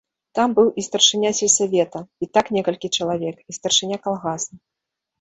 Там быў і старшыня сельсавета, і так некалькі чалавек, і старшыня калгаса.